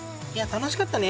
・楽しかったね・